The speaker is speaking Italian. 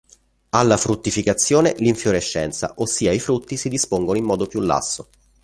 Alla fruttificazione l'infiorescenza, ossia i frutti si dispongono in modo più lasso.